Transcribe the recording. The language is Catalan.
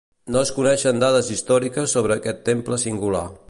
No es coneixen dades històriques sobre aquest temple singular.